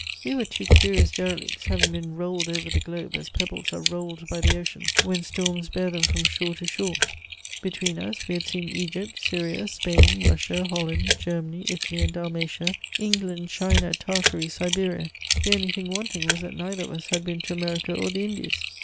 "We were two curious derelicts, having been rolled over the globe as pebbles are rolled by the ocean when storms bear them from shore to shore. Between us we had seen Egypt, Syria, Spain, Russia, Holland, Germany, Italy and Dalmatia, England, China, Tartary, Siberia; the only thing wanting was that neither of us had been to America or the Indies.